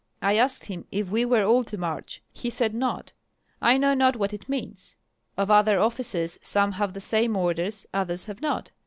I asked him if we were all to march; he said not. I know not what it means. Of other officers some have the same order, others have not.